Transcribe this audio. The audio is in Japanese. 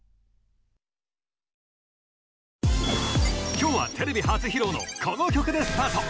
今日はテレビ初披露のこの曲でスタート！